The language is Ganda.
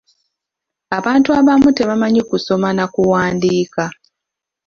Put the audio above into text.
Abantu abamu tebamanyi kusoma na kuwandiika.